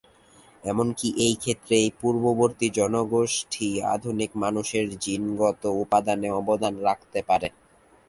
এমনকি এই ক্ষেত্রে এই পূর্ববর্তী জনগোষ্ঠী আধুনিক মানুষের জিনগত উপাদানে অবদান রাখতে পারে।